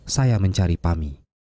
saya mencari pami